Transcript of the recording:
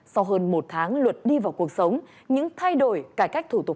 sau hơn một tháng luật đi vào cuộc sống những thay đổi cải cách thủ tục